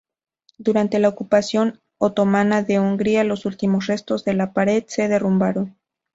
Durante la ocupación otomana de Hungría los últimos restos de la pared se derrumbaron.